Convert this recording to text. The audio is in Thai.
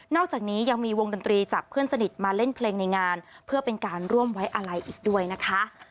อกจากนี้ยังมีวงดนตรีจากเพื่อนสนิทมาเล่นเพลงในงานเพื่อเป็นการร่วมไว้อะไรอีกด้วยนะคะ